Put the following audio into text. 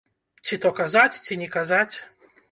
Ці то казаць, ці не казаць?